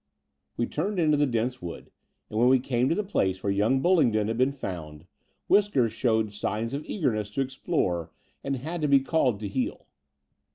We turned into the dense wood: and, when we came to the place where yoimg BuUingdon had been found. Whiskers showed signs of eagerness to explore, and had to be called to heel.